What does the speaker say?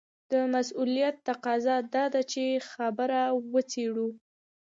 د مسووليت تقاضا دا ده چې خبره وڅېړو.